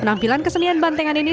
penampilan kesenian bantengan ini